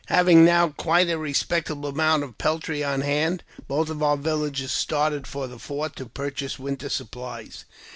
1 T T AVING now quite a respectable amount of peltry on ' hand, both of our villages started for the fort to pur chase winter supplies.